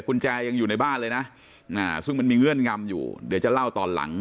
กุญแจยังอยู่ในบ้านเลยนะซึ่งมันมีเงื่อนงำอยู่เดี๋ยวจะเล่าตอนหลัง